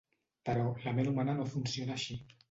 Però, la ment humana no funciona així.